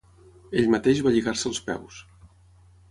Ell mateix va lligar-se els peus.